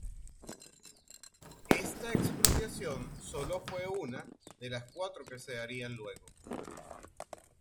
Ésta expropiación solo fue una de las cuatro que se darían luego.